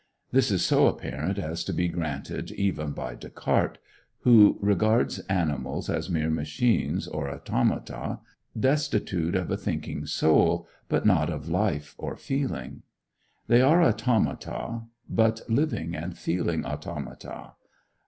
This is so apparent as to be granted even by Descartes, who regards animals as mere machines, or automata, destitute of a thinking soul, but not of life or feeling. They are automata, but living and feeling automata.